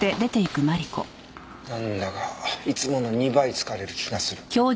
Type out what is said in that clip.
なんだかいつもの２倍疲れる気がする。